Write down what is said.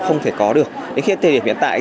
không thể có được đến khi hết thời điểm hiện tại